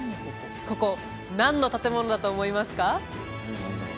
ここ何の建物だと思いますか？